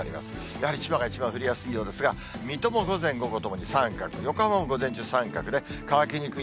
やはり千葉が一番降りやすいようですが、水戸も午前、午後ともに三角、午前中、三角で、乾きにくい。